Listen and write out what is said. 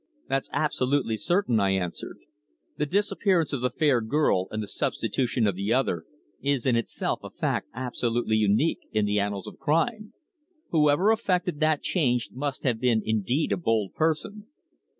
"That's absolutely certain," I answered. "The disappearance of the fair girl, and the substitution of the other, is in itself a fact absolutely unique in the annals of crime. Whoever effected that change must have been indeed a bold person."